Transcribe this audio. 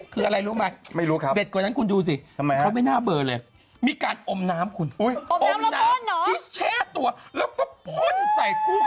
เป็นร่างทรงอะไร